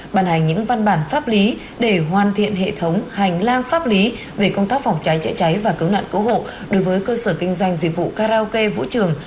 bàn hành những văn bản pháp lý để hoàn thiện hệ thống hành lang pháp lý về công tác phòng cháy chữa cháy và cứu nạn cứu hộ đối với cơ sở kinh doanh dịch vụ karaoke vũ trường